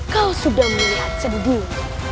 kau sudah melihat sendiri